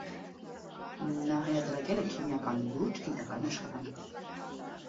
Նա հրատարակել է քիմիական լուրջ գիտական աշխատանքներ։